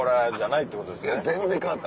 いや全然変わった。